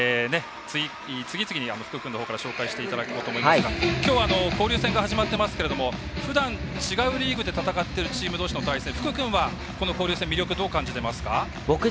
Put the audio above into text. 次々に福くんのほうから紹介していただこうと思いますがきょうは交流戦が始まってますがふだん違うリーグで戦っているどうしの対戦福くんはこの交流戦、魅力どう感じていますか？